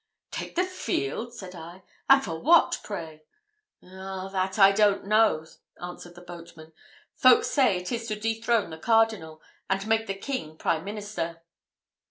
"Take the field!" said I, "and what for, pray?" "Ah, that I don't know," answered the boatman; "folks say it is to dethrone the Cardinal, and make the King prime minister."